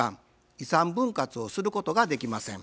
遺産分割をすることができません。